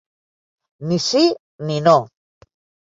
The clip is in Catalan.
Ni sí ni no.